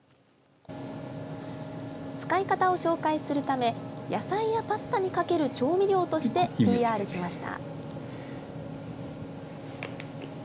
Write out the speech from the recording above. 使い方を紹介するため野菜やパスタにかける調味料としてＰＲしました。